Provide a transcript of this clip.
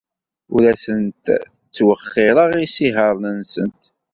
Ur asent-ttwexxireɣ isihaṛen-nsent.